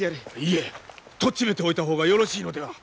いえとっちめておいた方がよろしいのでは。